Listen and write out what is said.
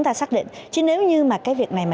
tuy nhiên chủ nghĩa bắt đầu thì bị cấm